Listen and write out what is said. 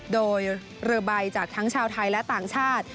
โดยเรือใบจากทั้งชาวไทยและต่างชาติ